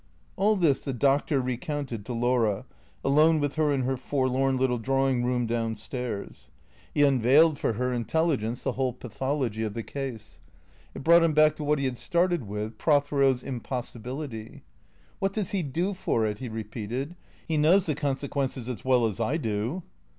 All this the Doctor recounted to Laura, alone with her in her forlorn little drawing room down stairs. He unveiled for her 507 508 T H E C K E A T 0 R S intelligence the whole pathology of the ease. It brought him back to what he had started with, Prothero's impossibility. " What does he do for it ?" he repeated. " He knows the consequences as well as I do."